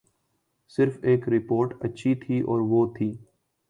صرف ایک رپورٹ اچھی تھی اور وہ تھی۔